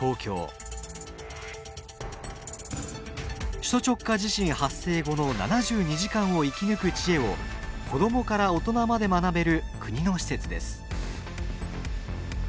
首都直下地震発生後の７２時間を生き抜く知恵を子どもから大人まで学べる国の施設です。